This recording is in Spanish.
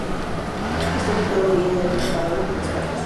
Está ubicado a orillas del río Paraná de las Palmas.